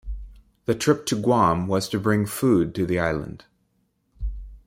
The trip to Guam was to bring food to the island.